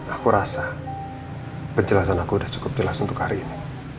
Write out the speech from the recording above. aku rasa penjelasan aku sudah cukup jelas untuk hari ini